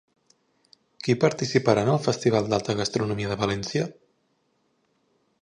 Qui participarà en el Festival d'Alta Gastronomia de València?